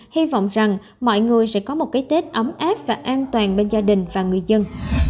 hy vọng rằng mọi người sẽ có một cái tết ấm áp và an toàn bên gia đình và người dân